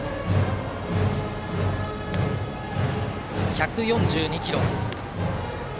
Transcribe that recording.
１４２キロ。